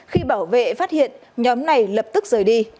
khi bảo vệ phát hiện nhóm này lập tức rời đi